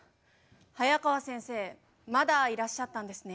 はやかわ先生まだいらっしゃったんですね。